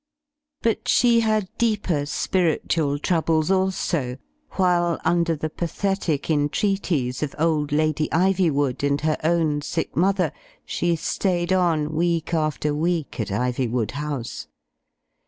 But she had deeper spiritual troubles also, while, under the pathetic entreaties of old Lady Ivywood and her own sick mother, she stayed on week after week at Ivywood House.